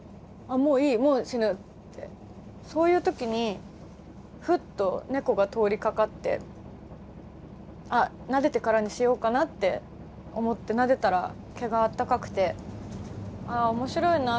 そういう時にふっと猫が通りかかってあっなでてからにしようかなって思ってなでたら毛があったかくて「あ面白いな。